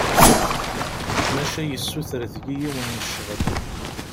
Maca yessuter deg-i yiwen n ccɣel!